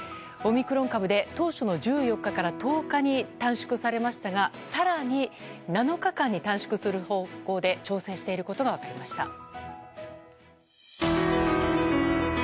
オミクロン株で当初の１４日から１０日に短縮されましたが更に７日間に短縮する方向で調整していることが分かりました。